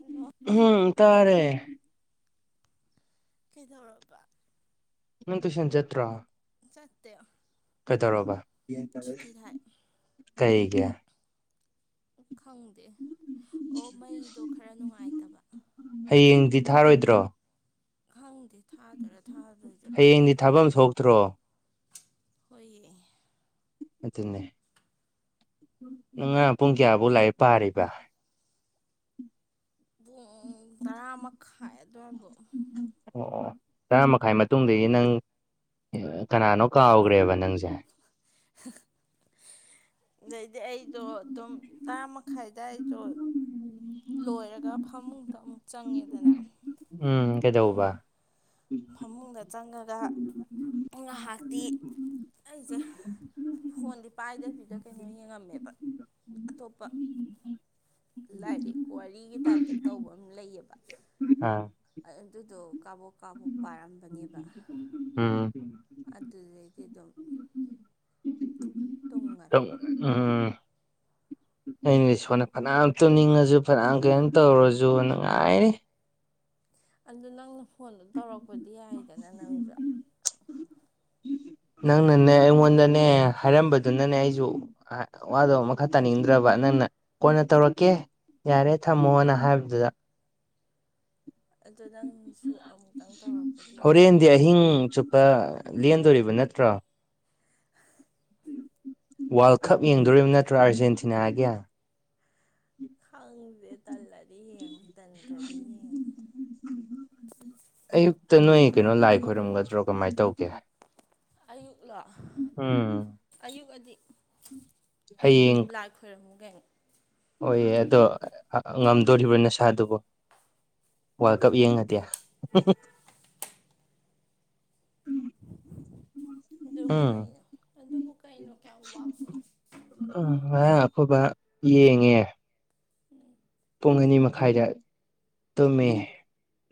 hello ꯎꯝ ꯇꯥꯔꯦ ꯀꯩꯗꯧꯔꯕ ꯅꯪ ꯇꯨꯏꯁꯟ ꯆꯠꯇ꯭ꯔꯣ ꯆꯠꯇꯦ ꯀꯩꯗꯧꯔꯕ ꯁꯨꯇꯤ ꯊꯥꯏ ꯀꯩꯒꯤ ꯈꯪꯗꯦ ꯑꯣ ꯃꯩꯗꯣ ꯈꯔ ꯅꯨꯡꯉꯥꯏꯇꯕ ꯍꯌꯦꯡꯗꯤ ꯊꯥꯔꯣꯏꯗ꯭ꯔꯣ ꯈꯪꯗꯦ ꯊꯥꯗꯣꯏꯔ ꯊꯥꯗꯣꯏꯗꯔꯦ ꯍꯌꯦꯡꯗꯤ ꯍꯥꯏꯔꯛꯇ꯭ꯔꯦ ꯊꯥꯐꯝ ꯊꯣꯛꯇ꯭ꯔꯣ ꯍꯣꯏꯌꯦ ꯑꯗꯨꯅꯦ ꯅꯪ ꯉꯔꯥꯡ ꯄꯨꯡ ꯀꯌꯥꯐꯧ ꯂꯥꯔꯤꯛ ꯄꯥꯔꯤꯕ ꯄꯨꯡ ꯇꯔꯥꯃꯈꯥꯏ ꯑꯗꯨꯋꯥꯏꯕꯨ ꯑꯣ ꯑꯣ ꯇꯔꯥ ꯃꯈꯥꯏ ꯃꯇꯨꯡꯗꯒꯤ ꯅꯪ ꯀꯅꯥꯅꯣ ꯀꯥꯎꯈ꯭ꯔꯦꯕ ꯅꯪꯁꯦ [inaudible] ꯑꯗꯩꯗꯤ ꯑꯩꯗꯣ ꯑꯗꯨꯝ ꯇꯔꯥꯃꯥꯈꯥꯏ ꯑꯗꯥꯏꯗꯣ ꯂꯣꯏꯔꯒ ꯐꯃꯨꯡꯗ ꯑꯃꯨꯛ ꯆꯪꯉꯦꯗꯅ ꯎꯝ ꯀꯩꯗꯧꯕ ꯐꯃꯨꯡꯗ ꯆꯪꯉꯒ ꯉꯥꯏꯍꯥꯛꯇꯤ ꯑꯩꯁꯦ ꯐꯣꯟꯗꯤ ꯄꯥꯏꯗꯕꯤꯗ ꯀꯩꯅꯣ ꯌꯦꯡꯉꯝꯃꯦꯕ ꯑꯇꯣꯞꯄ ꯂꯥꯏꯔꯤꯛ ꯋꯥꯔꯤꯒꯤ ꯇꯥꯏꯞꯇ ꯇꯧꯕ ꯑꯃ ꯂꯩꯌꯦꯕ ꯑꯥ ꯑꯗꯨꯗꯣ ꯀꯥꯕꯣꯛ ꯀꯥꯕꯣꯛ ꯄꯥꯔꯝꯕꯅꯦꯕ ꯎꯝ ꯑꯗꯨꯗꯩꯗꯤ ꯑꯗꯨꯝ ꯇꯨꯝꯒꯔꯦ ꯑꯝ ꯑꯩꯅꯗꯤ ꯁꯣꯟꯗ ꯐꯅꯌꯥꯝ ꯇꯨꯝꯅꯤꯡꯉꯁꯨ ꯐꯅꯥꯌꯥꯝ ꯀꯩꯅꯝ ꯇꯧꯔꯁꯨ ꯅꯨꯅ ꯉꯥꯏꯔꯤ ꯑꯗꯨ ꯅꯪꯅ ꯐꯣꯟꯗꯣ ꯇꯧꯔꯛꯄꯗꯤ ꯌꯥꯏꯗꯅ ꯅꯪꯁꯨ ꯅꯪꯅꯅꯦ ꯑꯩꯉꯣꯟꯗꯅꯦ ꯍꯥꯏꯔꯝꯕꯗꯨꯅꯅꯦ ꯑꯩꯁꯨ ꯑ ꯋꯥꯗꯣ ꯃꯈꯥ ꯇꯥꯅꯤꯡꯗ꯭ꯔꯕ ꯅꯪꯅ ꯀꯣꯟꯅ ꯇꯧꯔꯛꯀꯦ ꯌꯥꯔꯦ ꯊꯝꯃꯣꯅ ꯍꯥꯏꯕꯗꯨꯗ ꯑꯗꯣ ꯅꯪꯁꯨ ꯑꯃꯨꯛꯇꯪ ꯇꯧꯔꯛꯄꯗꯤ ꯍꯣꯔꯦꯟꯗꯤ ꯌꯥꯏꯗꯅ [unintelligible] ꯂꯦꯟꯗꯣꯔꯤꯕ ꯅꯠꯇ꯭ꯔꯣ ꯋꯥꯔꯜ ꯀꯞ ꯌꯦꯡꯗꯣꯔꯤꯕ ꯅꯠꯇ꯭ꯔꯣ ꯑꯥꯔꯖꯦꯟꯇꯤꯅꯥꯒꯤ ꯈꯪꯗꯦ ꯇꯜꯂꯗꯤ ꯌꯦꯡꯉꯣꯏ ꯇꯟꯗ꯭ꯔꯗꯤ ꯌꯦꯡꯅꯤ ꯑꯌꯨꯛꯇ ꯅꯣꯏ ꯀꯩꯅꯣ ꯂꯥꯏ ꯈꯣꯏꯔꯝꯒꯗ꯭ꯔꯣ ꯀꯃꯥꯏ ꯇꯧꯒꯦ ꯑꯌꯨꯛꯂꯣ ꯎꯝ ꯑꯌꯨꯛ ꯑꯗꯤ ꯑꯌꯨꯛ ꯑꯗꯨꯝ ꯂꯥꯏ ꯈꯣꯏꯔꯝꯃꯤ ꯀꯩꯅꯣ ꯍꯣꯏꯌꯦ ꯑꯗꯣ ꯑ ꯉꯝꯗꯣꯔꯤꯕꯣ ꯅꯁꯥꯗꯨꯕꯣ ꯋꯥꯔꯜ ꯀꯞ ꯌꯦꯡꯉꯗꯦ ꯑꯗꯨꯕꯨ ꯎꯝ ꯀꯩꯅꯣ ꯑꯗꯨꯕꯨ ꯀꯩꯅꯣ ꯀꯌꯥꯃ ꯋꯥꯕ ꯄꯣꯠꯅꯣ ꯎꯝ ꯉꯔꯥꯡ ꯑꯈꯣꯏ ꯕꯥ ꯌꯦꯡꯉꯦ ꯄꯨꯡ ꯑꯅꯤ ꯃꯈꯥꯏꯗ ꯇꯨꯝꯃꯦ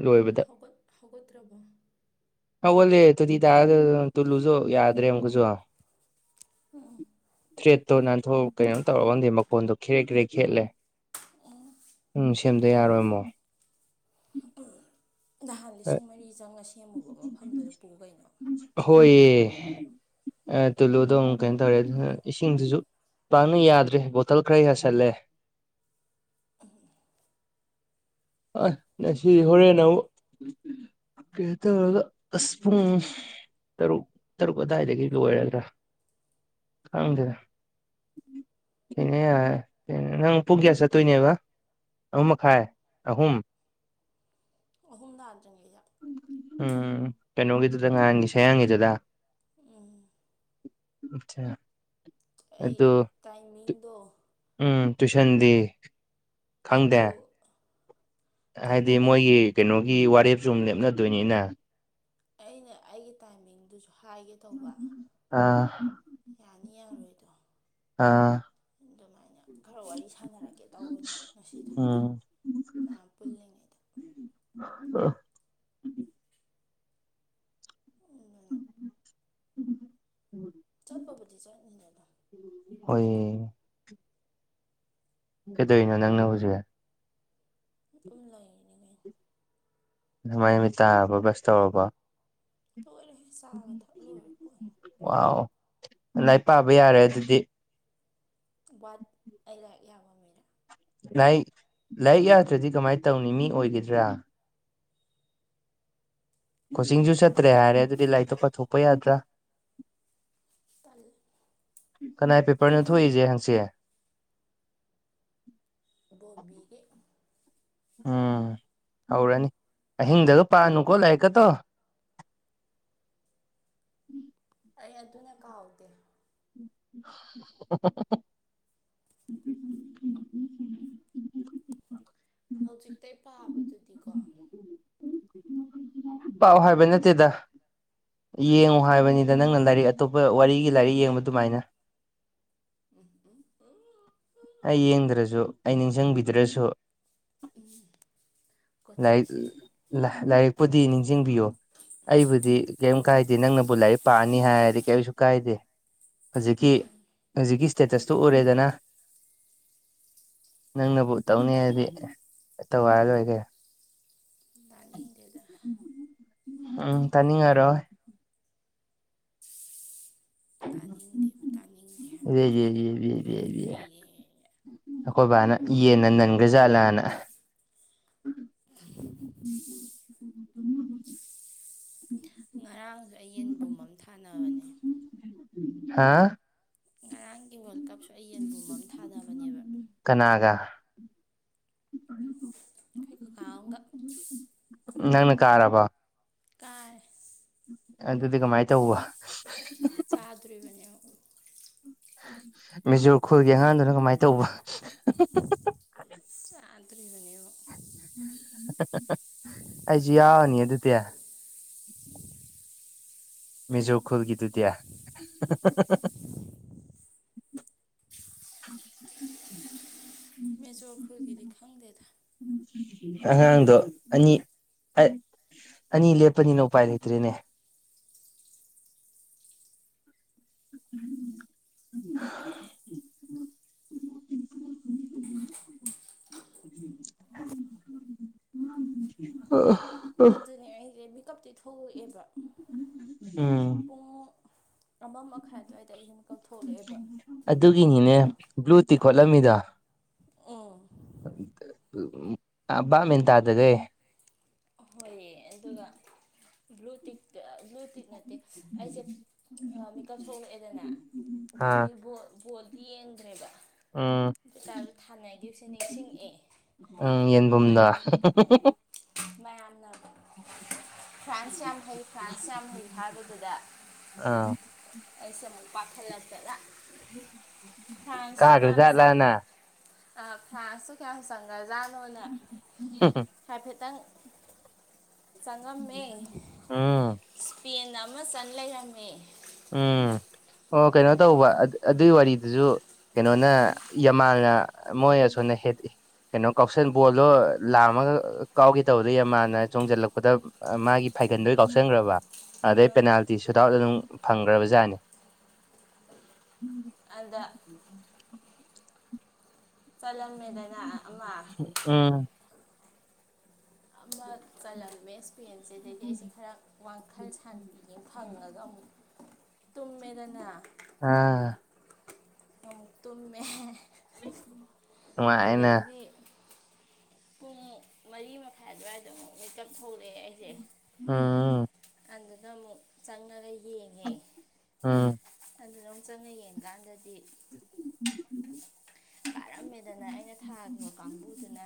ꯂꯣꯏꯕꯗ ꯍꯧꯒꯠ ꯍꯧꯒꯇ꯭ꯔꯕꯣ ꯍꯧꯒꯠꯂꯦ ꯇꯣꯇꯤ [unintelligible] ꯇꯨꯂꯨꯁꯨ ꯌꯥꯗ꯭ꯔꯦ ꯑꯃꯨꯛꯀꯁꯨ ꯊ꯭ꯔꯦꯠꯇꯣ ꯅꯥꯟꯊꯣꯛꯑꯕ ꯀꯩꯅꯣ ꯇꯧꯔꯕ꯭ꯔ ꯈꯪꯗꯦ ꯃꯈꯣꯟꯗꯣ ꯈ꯭ꯔꯦ ꯈ꯭ꯔꯦꯛ ꯈꯦꯠꯂꯦ ꯎꯝ ꯁꯦꯝꯗ ꯌꯥꯔꯣꯏ ꯑꯃꯨꯛ [inaudible] ꯅꯍꯥꯟ ꯂꯤꯁꯤꯡ ꯃꯔꯤ ꯆꯪꯅ ꯁꯦꯝꯃꯨꯕ ꯃꯐꯝꯗꯨꯗ ꯄꯨ ꯀꯩꯅꯣ ꯍꯣꯏꯌꯦ ꯑ ꯇꯨꯂꯨꯗꯨ ꯑꯃꯨꯛ ꯀꯩꯅꯣ ꯇꯧꯔꯦ ꯑꯗꯨ ꯏꯁꯤꯡꯗꯨꯁꯨ ꯄꯥꯛꯅ ꯌꯥꯗ꯭ꯔꯦ ꯕꯣꯇꯜ ꯈꯔ ꯌꯥꯁꯜꯂꯦ ꯑ ꯉꯁꯤꯗꯤ ꯍꯣꯔꯦꯟ ꯑꯃꯨꯛ ꯀꯩꯅꯣ ꯇꯧꯔꯒ ꯑꯁ ꯄꯨꯡ ꯇꯔꯨꯛ ꯇꯔꯨꯛ ꯑꯗꯨꯋꯥꯏꯗꯒꯤ ꯂꯣꯏꯔꯗ꯭ꯔꯥ ꯈꯪꯗꯦꯗ [unintelligible] ꯅꯪ ꯄꯨꯡ ꯀ꯭ꯌꯥ ꯆꯠꯇꯣꯏꯅꯦꯕ ꯑꯍꯨꯝ ꯃꯈꯥꯏ ꯑꯍꯨꯝ ꯑꯍꯨꯝ ꯇꯥꯗ꯭ꯔꯤꯉꯩꯗ ꯎꯝ ꯀꯩꯅꯣꯒꯤꯗꯨꯗ ꯉꯍꯥꯟꯒꯤ ꯁꯌꯥꯡꯒꯤꯗꯨꯗ ꯎꯝ ꯑꯆꯥ ꯑꯩ ꯑꯗꯨ ꯇꯥꯏꯃꯤꯡꯗꯣ ꯎꯝ ꯇꯨꯏꯁꯟꯗꯤ ꯑꯗꯨ ꯈꯪꯗꯦ ꯆꯠꯄ ꯍꯥꯏꯗꯤ ꯃꯣꯏꯒꯤ ꯀꯩꯅꯣꯒꯤ ꯋꯥꯔꯦꯞꯁꯨ ꯑꯃꯨꯛ ꯂꯦꯞꯅꯗꯣꯏꯅꯤꯅ ꯑꯩꯅ ꯑꯩꯒꯤ ꯇꯥꯏꯃꯤꯡꯗꯨꯁꯨ ꯍꯥꯏꯒꯦ ꯇꯧꯕ ꯑꯥ ꯌꯥꯅꯤ ꯌꯥꯔꯣꯏꯗꯣ ꯑꯥ ꯑꯗꯨꯃꯥꯏꯅ ꯈꯔ ꯋꯥꯔꯤ ꯁꯥꯟꯅꯔꯛꯀꯦ ꯇꯧꯕꯅꯦ ꯉꯁꯤꯗꯨ ꯎꯝ ꯃꯌꯥꯝ ꯄꯨꯜꯂꯤꯉꯩꯗ [unintelligible] ꯑꯗꯨꯅ [unintelligible] ꯆꯠꯄꯕꯨꯗꯤ ꯆꯠꯅꯤꯗꯅꯥ ꯍꯣꯏꯌꯦ ꯀꯩꯗ꯭ꯋꯩꯅꯣ ꯅꯪꯅ ꯍꯧꯖꯤꯛ ꯎꯝ ꯂꯩꯔꯤꯅꯤ ꯀꯩꯅꯣ ꯅꯃꯥꯏ ꯅꯃꯤꯠ ꯇꯥꯔꯕꯣ ꯕꯁ ꯇꯧꯔꯕꯣ ꯂꯣꯏꯔꯦꯍꯦ ꯆꯥꯒ ꯊꯛ ꯂꯣꯏꯔ ꯄꯣꯠꯅꯤ ꯋꯥꯎ ꯂꯥꯏꯛ ꯄꯥꯕ ꯌꯥꯔꯦ ꯑꯗꯨꯗꯤ ꯋꯥꯠ ꯑꯩ ꯂꯥꯏꯔꯤꯛ ꯌꯥꯕ ꯃꯤꯔ ꯂꯥꯏꯛ ꯂꯥꯏꯔꯤꯛ ꯌꯥꯗ꯭ꯔꯗꯤ ꯀꯃꯥꯏ ꯇꯧꯅꯤ ꯃꯤ ꯑꯣꯏꯒꯤꯗ꯭ꯔꯥ ꯀꯣꯆꯤꯡꯖꯨ ꯆꯠꯇ꯭ꯔꯦ ꯍꯥꯏꯔꯦ ꯑꯗꯨꯗꯤ ꯂꯥꯏꯔꯤꯇꯣ ꯄꯊꯣꯛꯄ ꯌꯥꯗ꯭ꯔꯥ ꯇꯜ ꯀꯅꯥꯏ ꯄꯦꯄꯔꯅꯣ ꯊꯣꯛꯏꯖꯦ ꯍꯪꯆꯦ ꯏꯕꯣꯕꯤꯒꯤ ꯎꯝ ꯍꯧꯔꯅꯤ ꯑꯍꯤꯡꯗꯒ ꯄꯥꯅꯨꯀꯣ ꯂꯥꯏꯔꯤꯛꯀ ꯇꯣ ꯑꯩ ꯑꯗꯨꯅ ꯀꯥꯎꯗꯦ [unintelligible] [inaudible] ꯍꯧꯖꯤꯛꯇꯩ ꯄꯥꯕꯗꯨꯗꯤꯀꯣ ꯄꯥꯎ ꯍꯥꯏꯕ ꯅꯠꯇꯦꯗ ꯌꯦꯡꯉꯣ ꯍꯥꯏꯕꯅꯤꯗ ꯅꯪꯅ ꯂꯥꯏꯔꯤꯛ ꯑꯇꯣꯞꯄ ꯋꯥꯔꯤꯒꯤ ꯂꯥꯏꯔꯤꯛ ꯌꯦꯡꯕ ꯑꯗꯨꯃꯥꯏꯅ ꯎ ꯎꯝ ꯎ ꯑꯩ ꯌꯦꯡꯗ꯭ꯔꯖꯨ ꯑꯩ ꯅꯤꯡꯁꯤꯡꯕꯤꯗ꯭ꯔꯁꯨ ꯎꯝ ꯂꯥꯏꯛ ꯂꯥꯏꯍ ꯂꯥꯏꯔꯤꯛꯄꯨꯗꯤ ꯅꯤꯡꯖꯤꯡꯕꯤꯌꯣ ꯑꯩꯕꯨꯗꯤ ꯀꯩꯝ ꯀꯥꯏꯗꯦ ꯅꯪꯅꯕꯨ ꯂꯥꯏꯔꯤꯛ ꯄꯥꯅꯤ ꯍꯥꯏꯔꯗꯤ ꯀꯩꯁꯨ ꯀꯥꯏꯗꯦ ꯍꯧꯖꯤꯛꯀꯤ ꯎꯝ ꯍꯧꯖꯤꯛꯀꯤ ꯁ꯭ꯇꯦꯇꯁꯇꯨ ꯎꯔꯦꯗꯅ ꯅꯪꯅꯕꯨ ꯇꯧꯅꯤ ꯍꯥꯏꯗꯤ ꯇꯧ ꯍꯥꯏꯔ ꯂꯣꯏꯀꯩꯅꯣ ꯏꯪꯗꯦꯗꯥ ꯎꯝ ꯇꯅꯤꯡꯉꯔꯣꯏ ꯇꯥꯅꯤꯡꯗꯦꯕ ꯇꯥꯅꯤꯡꯗꯦ [unintelligible] ꯍꯥꯏꯕꯅꯤ ꯀꯩꯅꯣ ꯑꯩꯗꯤ ꯑꯩꯈꯣꯏ ꯕꯥꯅ ꯌꯦꯟꯅ ꯅꯟꯒ꯭ꯔꯖꯥꯠꯂꯥꯅ [unintelligible] ꯉꯔꯥꯡꯖꯨ ꯑꯩ ꯌꯦꯟꯕꯨꯝ ꯑꯝ ꯊꯥꯅꯕꯅꯦ ꯍꯥꯥ ꯉꯔꯥꯡꯒꯤ ꯋꯥꯔꯜ ꯀꯞꯁꯨ ꯑꯩ ꯌꯦꯟꯕꯨꯝ ꯑꯃ ꯊꯥꯅꯕꯅꯦꯕ ꯀꯅꯥꯒ ꯍꯩ ꯈꯨꯈꯥꯎꯑꯝꯒ ꯅꯪꯅ ꯀꯥꯔꯥꯕ ꯀꯥꯥꯏ ꯑꯗꯨꯗꯤ ꯀꯃꯥꯏ ꯇꯧꯕ ꯆꯥꯗꯣꯔꯤꯕꯅꯦ ꯃꯦꯖꯣꯔ ꯈꯨꯜꯒꯤ ꯑꯉꯥꯡꯗꯨꯅ ꯀꯃꯥꯏ ꯇꯧꯕ ꯆꯥꯗ꯭ꯔꯤꯕꯅꯤꯉꯣ ꯑꯩꯖꯨ ꯌꯥꯎꯅꯤ ꯑꯗꯨꯗꯤ ꯃꯦꯖꯣ ꯈꯨꯜꯒꯤꯗꯨꯗꯤ [inaudible] ꯃꯦꯖꯣꯔ ꯈꯨꯜꯒꯤꯗꯤ ꯈꯪꯗꯦꯗ ꯑꯉꯥꯡꯗꯣ ꯑꯅꯤ ꯑꯠ ꯑꯅꯤ ꯂꯦꯞꯄꯅꯤꯅ ꯎꯄꯥꯏ ꯂꯩꯇ꯭ꯔꯦꯅꯦ [inaudible] [unintelligible] ꯑꯗꯨꯅꯦ ꯑꯩꯖꯦ ꯃꯤꯀꯞꯇꯤ ꯊꯣꯛꯂꯛꯑꯦꯕ ꯎꯝ ꯄꯨꯡ ꯑꯃ ꯃꯈꯥꯏ ꯑꯗꯨꯋꯥꯏꯗ ꯑꯩꯁꯦ ꯃꯀꯛꯊꯣꯛꯂꯛꯑꯦꯕ ꯑꯗꯨꯒꯤꯅꯤꯅꯦ ꯕ꯭ꯂꯨ ꯇꯤꯛ ꯈꯣꯠꯂꯝꯃꯤꯗ ꯑꯥ ꯑ ꯕꯥꯕꯃꯦꯟ ꯇꯥꯗꯒꯩ ꯍꯣꯏꯌꯦ ꯑꯗꯨꯒ ꯕ꯭ꯂꯨꯇꯤꯇ ꯕ꯭ꯂꯨꯇꯤꯛ ꯅꯠꯇꯦ ꯑꯩꯁꯦ ꯑ‌ ꯃꯤꯀꯞ ꯊꯣꯛꯂꯛꯑꯦꯗꯅ ꯑꯥ ꯑꯗꯒꯤ ꯕꯣ ꯕꯣꯜꯗꯤ ꯌꯦꯡꯗ꯭ꯔꯦꯕ ꯎꯝ ꯑꯗꯨ ꯑꯣꯏꯇꯥꯔꯁꯨ ꯊꯥꯅꯩꯒꯤꯕꯁꯤꯡ ꯅꯤꯡꯁꯤꯉꯑꯦ ꯎꯝ ꯌꯦꯟꯕꯨꯝꯗ ꯃꯌꯥꯝꯅ ꯐ꯭ꯔꯥꯟꯁ ꯌꯥꯝ ꯍꯩ ꯐ꯭ꯔꯥꯟꯁ ꯌꯥꯝ ꯍꯩ ꯍꯥꯏꯕꯗꯨꯗ ꯑꯥ ꯑꯩꯁꯦ ꯃꯨꯛ ꯄꯥꯈꯜꯂꯥꯛꯇꯅ ꯐ꯭ꯔꯥꯏꯟꯁ ꯇꯨ ꯀꯥꯒ꯭ꯔ ꯀꯌꯥꯝ ꯆ ꯖꯥꯠꯂꯥꯅ ꯑ ꯐ꯭ꯔꯥꯟꯁꯨ ꯀꯌꯥꯝ ꯆꯪꯒ꯭ꯔꯖꯥꯠꯅꯣꯅ ꯎꯝ ꯍꯥꯏꯐꯦꯠꯇꯪ ꯆꯪꯉꯝꯃꯦ ꯎꯝ ꯏꯁꯄꯦꯟꯅ ꯑꯃ ꯆꯟ ꯂꯩꯔꯝꯃꯦ ꯎꯝ ꯑꯣ ꯀꯩꯅꯣ ꯑꯗꯩ ꯇꯧꯕ ꯑꯗꯨꯏ ꯋꯥꯔꯤꯗꯨꯁꯨ ꯀꯩꯅꯣꯅ ꯌꯥꯝꯃꯥꯜꯅ ꯃꯣꯏ ꯑꯁꯣꯅ ꯍꯦꯠ ꯏ ꯀꯩꯅꯣ ꯀꯥꯎꯁꯟ ꯕꯣꯜꯗꯣ ꯂꯥꯝꯃꯒ ꯀꯥꯎꯒꯦ ꯇꯧꯕꯗ ꯌꯥꯝꯃꯥꯥꯟꯅ ꯆꯣꯡꯖꯜꯂꯛꯄꯗ ꯑ ꯃꯥꯒꯤ ꯐꯥꯏꯒꯟꯗꯣꯏ ꯀꯥꯎꯁꯟꯒ꯭ꯔꯕ ꯑꯗꯩ ꯄꯦꯅꯥꯜꯇꯤ ꯁꯨꯠ ꯑꯥꯎꯠ ꯑꯗꯨꯝ ꯐꯪꯈ꯭ꯔꯕꯖꯥꯠꯅꯤ ꯑꯟꯗ ꯆꯜꯂꯝꯃꯦꯗꯅ ꯑꯃ ꯎꯝ ꯑꯃ ꯆꯜꯂꯝꯃꯦ ꯁ꯭ꯄꯦꯟꯁꯤꯗꯗꯤ ꯑꯩꯁꯦ ꯈꯔ ꯋꯥꯈꯜ ꯁꯥꯟꯇꯤꯖꯦ ꯐꯪꯉꯒ ꯑꯃꯨꯛ ꯇꯨꯝꯃꯦꯗꯅ ꯑꯥ ꯑꯃꯨꯛ ꯇꯨꯝꯃꯦ ꯅꯨꯡꯉꯥꯏꯅ ꯑꯗꯩꯗꯤ ꯄꯨꯡ ꯃꯔꯤ ꯃꯈꯥꯏ ꯑꯗꯨꯋꯥꯏꯗ ꯑꯃꯨꯛ ꯃꯤꯀꯞ ꯊꯣꯛꯂꯛꯑꯦ ꯑꯩꯁꯦ ꯎꯝ ꯑꯗꯨꯗ ꯑꯃꯨꯛ ꯆꯪꯅꯒ ꯌꯦꯡꯉꯦ ꯎꯝ ꯑꯗꯨꯗ ꯑꯃꯨꯛ ꯆꯪꯉ ꯌꯦꯡꯀꯥꯟꯗꯗꯤ [inaudible] ꯀꯥꯔꯝꯃꯦꯗꯅ ꯑꯩꯅ ꯊꯥꯈꯤꯕ ꯀꯥꯡꯕꯨꯗꯨꯅ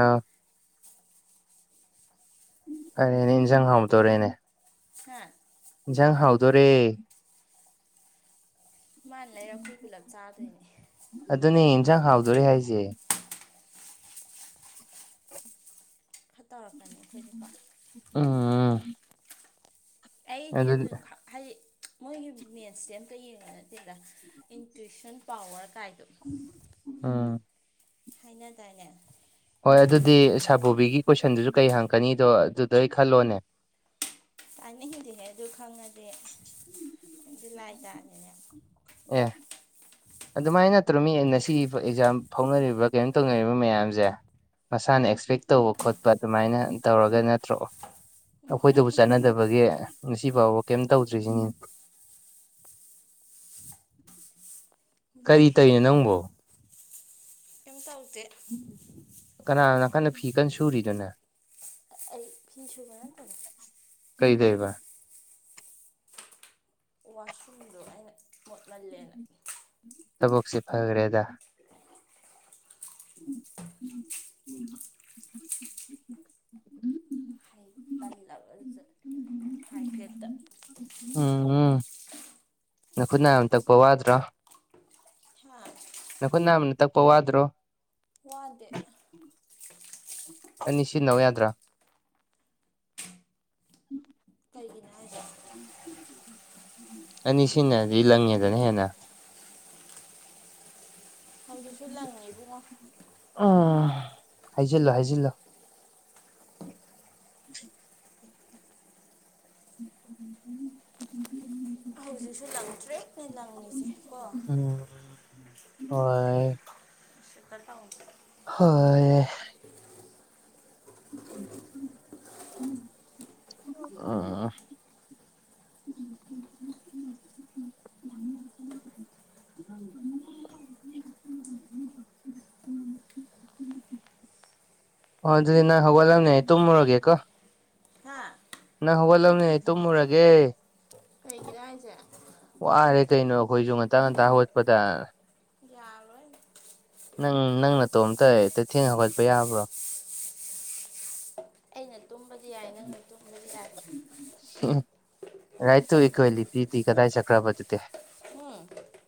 ꯑꯥ ꯐꯔꯦꯅꯦ ꯏꯟꯁꯥꯡ ꯍꯥꯎꯇꯣꯔꯦꯅꯦ ꯍꯥ ꯏꯟꯖꯥꯡ ꯍꯥꯎꯗꯣꯔꯦ ꯃꯥꯅ ꯂꯩꯔ ꯑꯈꯣꯏ ꯄꯨꯂꯞ ꯆꯥꯗꯣꯏꯅꯦ ꯑꯗꯨꯅꯦ ꯌꯦꯟꯖꯥꯡ ꯍꯥꯎꯗꯣꯔꯦ ꯍꯥꯏꯁꯦ ꯈꯔ ꯇꯧꯔꯛꯀꯅꯤ ꯈ‌ꯣꯏꯗꯤꯀ‌ꯣ ꯎꯝ ꯑꯩꯗꯤ ꯑꯗꯨ ꯈ ꯍꯥꯏꯗꯤ ꯃꯣꯏꯒꯤ ꯃ‌ꯦꯠꯁ‌ꯦ ꯑꯝꯇ ꯌꯦꯡꯕ ꯅꯠꯇꯦꯗ ꯏꯟꯇꯨꯏꯁꯟ ꯄꯋꯥꯔ ꯀꯥꯏꯗꯣ ꯎꯝ ꯍꯥꯏꯅꯗꯥꯏꯅꯦ ꯍꯣꯏ ꯑꯗꯨꯗꯤ ꯁꯥꯔ ꯕꯣꯕꯤꯒꯤ ꯀꯣꯏꯁꯟꯗꯨꯖꯨ ꯀꯩ ꯍꯪꯉꯛꯀꯅꯤꯗꯣ ꯑꯗꯨꯗꯩ ꯈꯜꯂꯣꯅꯦ ꯇꯥꯅꯤꯡꯗꯤꯍꯦ ꯑꯗꯨ ꯈꯪꯉꯗꯤ ꯗꯨ ꯂꯥꯏ ꯇꯥꯔ‌ꯦꯅꯦ ꯑꯦ ꯑꯗꯨꯃꯥꯏꯅ ꯅꯠꯇ꯭ꯔꯣ ꯃꯤ ꯉꯁꯤꯒꯤ ꯑꯦꯛꯖꯥꯝ ꯐꯥꯎꯅꯔꯤꯕ ꯀꯩꯅꯣ ꯇꯧꯅꯔꯤꯕ ꯃꯌꯥꯝꯖ‌ꯦ ꯃꯁꯥꯅ ꯑꯦꯛꯁꯄꯦꯛ ꯇꯧꯕ ꯈꯣꯠꯄ ꯑꯗꯨꯃꯥꯏꯅ ꯇꯧꯔꯒ ꯅꯠꯇ꯭ꯔꯣ ꯑꯩꯈꯣꯏꯗꯕꯨ ꯆꯥꯟꯅꯗꯕꯒꯤ ꯉꯁꯤ ꯐꯥꯎꯕ ꯀꯩꯝ ꯇꯧꯗ꯭ꯔꯤꯁꯤꯅꯤ ꯅꯪ ꯀꯔꯤ ꯇꯩꯏꯅꯣ ꯍꯥꯏꯅꯤꯡꯉꯤ ꯅꯪꯕꯣ ꯀꯩꯝ ꯇꯧꯗꯦ ꯀꯅꯥ ꯅꯥꯀꯟꯗ ꯐꯤ ꯀꯟꯅ ꯁꯨꯔꯤꯗꯨꯅ ꯑ ꯑꯩ ꯐꯤ ꯁꯨꯕ ꯅꯠꯇꯕ ꯀꯩꯗꯩꯏꯕ ꯋꯥꯁꯔꯨꯝꯗꯣ ꯑꯩꯅ ꯃꯣꯠꯃꯜꯂꯦꯅ ꯊꯕꯛꯁ‌ꯦ ꯐꯈ꯭ꯔꯦꯗ [unintelligible] ꯑꯩ ꯇꯜꯂꯕ [unintelligible] ꯍꯥꯏꯐꯦꯠꯇ ꯎꯝ ꯎꯝ ꯅꯈꯨꯠ ꯅꯥꯝꯃ ꯇꯛꯄ ꯋꯥꯗ꯭ꯔ‌ꯣ ꯍꯥꯥ ꯅꯈꯨꯠ ꯅꯥꯝꯃꯅ ꯇꯛꯄ ꯋꯥꯗ꯭ꯔꯣ ꯋꯥꯗꯦ ꯑꯅꯤ ꯁꯤꯖꯤꯟꯅꯧ ꯌꯥꯗ꯭ꯔꯥ ꯀꯩꯒꯤꯅ‌ꯣ ꯍꯥꯏ [unintelligible] ꯑꯅꯤ ꯁꯤꯟꯅꯔꯗꯤ ꯂꯪꯉꯦꯗꯅ ꯍꯦꯟꯅ ꯍꯧꯖꯤꯛꯁꯨ ꯂꯪꯉꯤ ꯏꯕꯨꯡꯉꯣ ꯑꯣ ꯍꯥꯏꯖꯤꯜꯂꯣ ꯍꯥꯏꯖꯤꯜꯂꯣ [unintelligible] ꯍꯧꯖꯤꯛꯁꯨ ꯂꯪꯇ꯭ꯔꯤꯛꯅ‌ꯦ ꯂꯪꯉꯤꯁꯦ ꯀꯣ ꯎꯝ ꯍꯣꯏ [unintelligible] ꯍꯣꯏ [unintelligible] [unintelligible] [unintelligible] [unintelligible] [unintelligible] ꯑꯣ ꯑꯗꯨꯗꯤ ꯅꯪ ꯍꯧꯂꯝꯅꯤ ꯑꯩ ꯇꯨꯝꯃꯨꯔꯒꯦꯀꯣ ꯍꯥꯥ ꯅꯪ ꯍꯧꯒꯠꯂꯝꯅꯤ ꯑꯩ ꯇꯨꯝꯃꯨꯔꯒꯦ ꯀꯩꯒꯤꯅ‌ꯣ ꯍꯥꯏꯁꯦ ꯋꯥꯔꯦ ꯀꯩꯅꯣ ꯑꯩꯈꯣꯏꯁꯨ ꯉꯟꯇꯥ ꯉꯟꯇꯥ ꯍꯧꯒꯠꯄꯗ ꯌꯥꯔꯣꯏ ꯅꯪ ꯅꯪ ꯅꯇꯣꯝꯇ ꯍꯦꯛꯇ ꯊꯦꯡꯅ ꯍꯧꯒꯠꯄ ꯌꯥꯕ꯭ꯔꯣ ꯑꯩꯅ ꯇꯨꯝꯕꯗꯤ ꯌꯥꯏ ꯅꯪꯅ ꯇꯨꯝꯕꯗꯤ ꯌꯥꯏ ꯎꯝ ꯔꯥꯏꯠ ꯇꯨ ꯏꯀ꯭ꯋꯦꯂꯤꯇꯤꯗꯤ ꯀꯗꯥꯏ ꯆꯠꯈ꯭ꯔꯕ ꯑꯗꯨꯗꯦ ꯎꯝ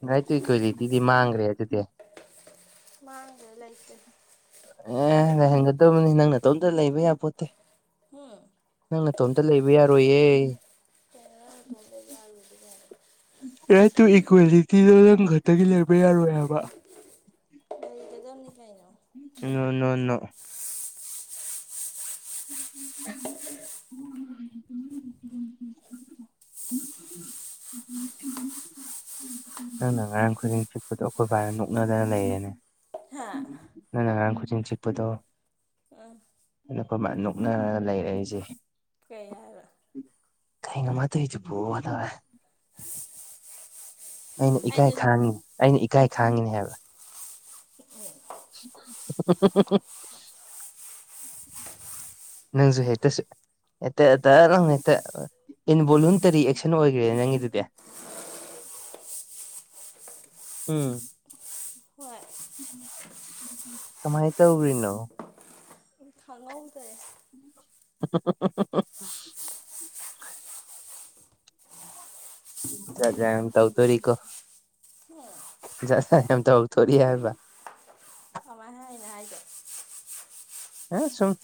ꯔꯥꯏꯠ ꯇꯨ ꯏꯀ꯭ꯋꯦꯂꯤꯇꯤꯗꯤ ꯃꯥꯡꯈ꯭ꯔꯦ ꯑꯗꯨꯗꯤ ꯃꯥꯥꯡꯒ꯭ꯔꯦ ꯂꯩꯇ꯭ꯔꯦ ꯑꯦ ꯂꯩꯍꯟꯒꯗꯕꯅꯤ ꯅꯪ ꯅꯇꯣꯝꯇ ꯂꯩꯕ ꯌꯥꯄꯣꯟꯇꯦ ꯍꯨꯝ ꯅꯪ ꯅꯇꯣꯝꯇ ꯂꯩꯕ ꯌꯥꯔꯣꯏꯌꯦ [unintelligible] ꯔꯥꯏꯠ ꯇꯨ ꯏꯀ꯭ꯋꯦꯂꯤꯇꯤꯗꯣ ꯅꯪ ꯈꯛꯇꯒꯤ ꯂꯩꯕ ꯌꯥꯔꯣꯏ ꯍꯥꯏꯕ ꯂꯩꯒꯗꯕꯅꯤ ꯀꯩꯅꯣ ꯅꯣ ꯅꯣ ꯅꯣ [unintelligible] ꯅꯪꯅ ꯉꯔꯥꯡ ꯈꯨꯖꯤꯟ ꯆꯤꯛꯄꯗꯣ ꯑꯩꯈꯣꯏ ꯕꯥꯅ ꯅꯣꯛꯅꯗꯅ ꯂꯩꯔꯦꯅꯦ ꯍꯥꯥ ꯅꯪꯅꯥ ꯉꯔꯥꯡ ꯈꯨꯖꯤꯟ ꯁꯤꯛꯄꯗꯣ ꯑꯥ ꯑꯗꯨ ꯑꯩꯈꯣꯏ ꯃꯥꯅ ꯅꯣꯛꯅꯔꯒ ꯂꯩꯔꯦ ꯑꯩꯁꯦ ꯀꯩ ꯍꯥꯏꯕ ꯀꯩꯅꯣ ꯃ ꯇꯧꯏꯗꯨꯕꯣꯅ ꯇꯧ ꯂꯩꯔꯦ ꯑꯩꯅ ꯏꯀꯥꯏ ꯑꯩꯗꯨ ꯈꯥꯡꯉꯤ ꯑꯩꯅ ꯏꯀꯥꯏ ꯈꯥꯡꯉꯤꯅꯦ ꯍꯥꯏꯕ [unintelligible] [unintelligible] ꯅꯪꯖꯨ ꯍꯦꯛꯇ [unintelligible] ꯍꯦꯛꯇ ꯑꯇ ꯅꯪ ꯍꯦꯛꯇ ꯏꯟꯚꯣꯂꯨꯟꯇꯔꯤ ꯑꯦꯛꯁꯟ ꯑꯣꯏꯈ꯭ꯔꯦꯅꯦ ꯅꯪꯒꯤꯗꯨꯗꯤ [unintelligible] ꯍꯣꯏ ꯀꯃꯥꯏ ꯇꯧꯒ꯭ꯔꯤꯅꯣ ꯈꯪꯍꯧꯗꯔꯦ [unintelligible] ꯖꯥꯠ ꯌꯥꯝ ꯇꯧꯗꯧꯔꯤꯀꯣ ꯍꯣꯏ ꯖꯥꯠ ꯖꯥꯠ ꯌꯥꯝ ꯇꯧꯔꯛꯇꯧꯔꯤ ꯍꯥꯏꯕ ꯀꯃꯥꯏ ꯍꯥꯏꯅꯣ ꯍꯥꯏꯖꯦ ꯑ ꯁꯨꯝ